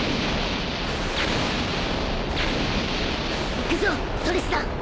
行くぞトリスタン。